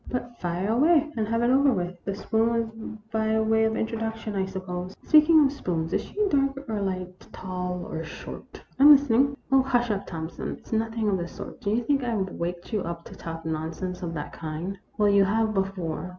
But fire away and have it over with. The spoon was by way of introduc tion, I suppose. Speaking of spoons, is she dark or light, tall or short ? I 'm listening." " Oh, hush up, Thompson ! It 's nothing of the sort. Do you think I Ve waked you up to talk non sense of that kind ?"" Well, you have before.